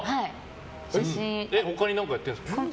他に何かやってるんですか？